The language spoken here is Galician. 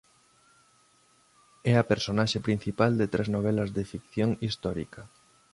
É o personaxe principal de tres novelas de ficción histórica.